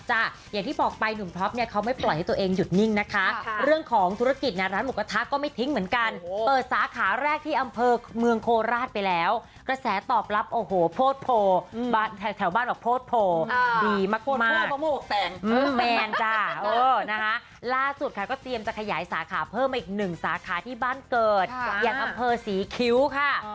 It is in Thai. เตรียมจะขยายสาขาเพิ่มมาอีกหนึ่งสาขาที่บ้านเกิดอย่างอำเภอศรีคิ้วค่ะ